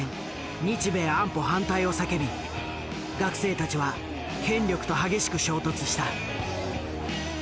日米安保反対を叫び学生たちは権力と激しく衝突した。